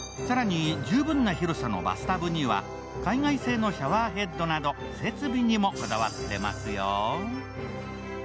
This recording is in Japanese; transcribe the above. さらに、十分な広さのバスタブには海外製のシャワーヘッドなど設備にもこだわってますよ。